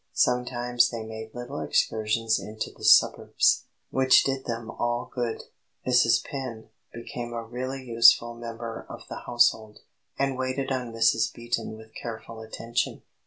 Sometimes they made little excursions into the suburbs, which did them all good. Mrs. Penn became a really useful member of the household, and waited on Mrs. Beaton with careful attention.